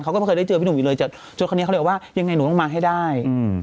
เขาก็พก็ได้เจอพี่หนุ่มอีกเลยแต่คนี้เขาเรียกว่ายังไงหนุ่มต้องมาให้ได้